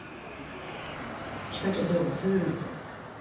北朝鮮を忘れるなと。